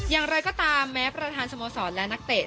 อย่างไรก็ตามแม้ประธานสโมสรและนักเตะ